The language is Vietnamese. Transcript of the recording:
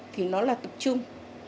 thì nó là tập trung